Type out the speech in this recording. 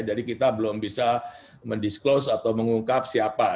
jadi kita belum bisa mendisclose atau mengungkap siapa